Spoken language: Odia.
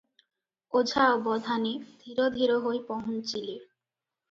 ଓଝା ଅବଧାନେ ଧୀର ଧୀର ହୋଇ ପହୁଞ୍ଚିଲେ ।